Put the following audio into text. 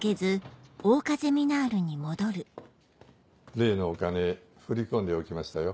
例のお金振り込んでおきましたよ